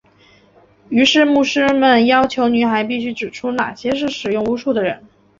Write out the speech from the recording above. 于是牧师们要求女孩必须指出哪些是使用巫术的人。